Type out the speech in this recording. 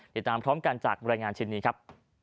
ติดตามพร้อมกันจากบรรยายงานชิ้นนี้ครับ